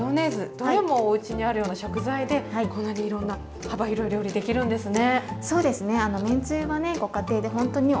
どれも、おうちにある食材でこんなにいろんな幅広い料理ができるんですね。